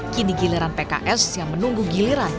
kini giliran pks yang menunggu giliran